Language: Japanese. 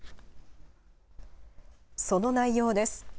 その内容です。